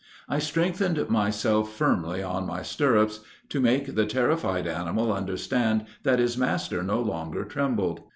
I strengthened myself firmly on my stirrups, to make the terrified animal understand that his master no longer trembled.